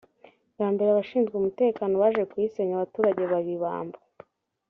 bwa mbere abashinzwe umutekano baje kuyisenye abaturage baba ibamba